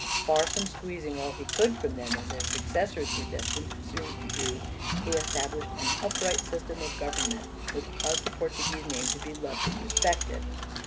Far from squeezing all he could from them, as his successors were destined soon to do, he established an upright system of government which caused the Portuguese name to be loved and respected.